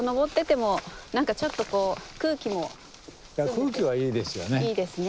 空気はいいですよね。